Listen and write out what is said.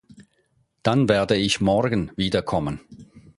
Dann werde ich morgen wiederkommen.